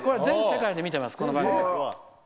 全世界で見てます。